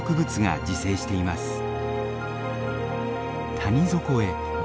谷底へ。